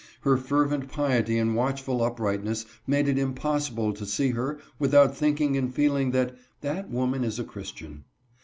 Her fervent piety and watchful uprightness made it impossible to see her without thinking and feeling that " that woman is a Christian."